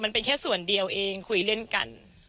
มันเป็นแค่ส่วนเดียวเองคุยเล่นกัน